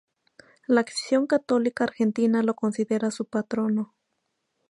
La Acción Católica Argentina lo considera su patrono.